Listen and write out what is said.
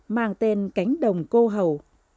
mang tên cánh đồng cô hầu